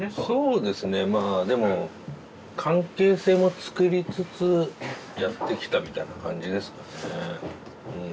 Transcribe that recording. そうですねまぁでも関係性も作りつつやってきたみたいな感じですかね